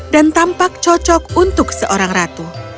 dan tampak cocok untuk seorang ratu